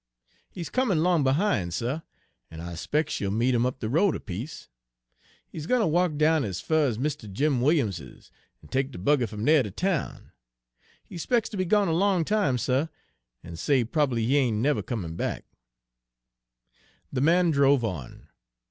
"He 's comin' 'long behin', suh, en I 'spec's you'll meet 'im up de road a piece. He's gwine ter walk down ez fur ez Mistah Jim Williams's, en take Page 227 de buggy fum dere ter town. He 'spec's ter be gone a long time, suh, en say prob'ly he ain' neber comin' back." The man drove on.